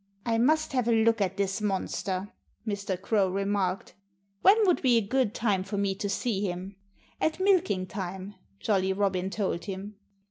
"I must have a look at this monster," Mr. Crow remarked. "When would be a good time for me to see him?" "At milking time," Jolly Robin told him.